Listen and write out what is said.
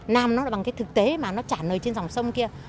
làm nó bằng cái thực tế mà nó trả nợ trên dòng sông kia